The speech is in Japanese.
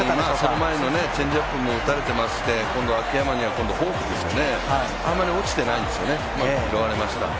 その前のチェンジアップも打たれていまして、今度、秋山にフォークですね、あまり落ちてないんですよね、うまく拾われました。